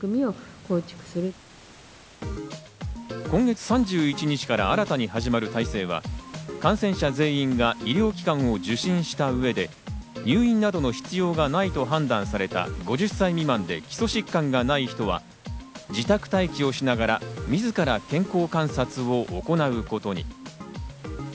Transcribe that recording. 今月３１日から新たに始まる体制は感染者全員が医療機関を受診した上で入院などの必要がないと判断された５０歳未満で基礎疾患がない人は自宅待機をしながら自ら健康観察を行うことに。